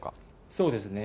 そうですね。